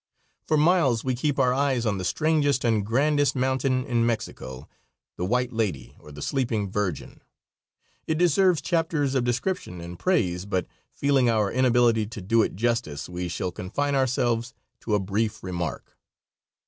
For miles we keep our eyes on the strangest and grandest mountain in Mexico, the White Lady, or the Sleeping Virgin. It deserves chapters of description and praise, but feeling our inability to do it justice we shall confine ourselves to a brief remark.